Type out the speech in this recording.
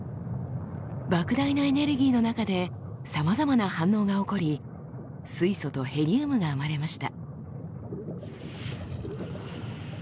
ばく大なエネルギーの中でさまざまな反応が起こり水素とヘリウムが生まれました。